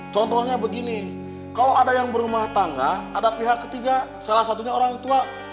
contohnya begini kalau ada yang berumah tangga ada pihak ketiga salah satunya orang tua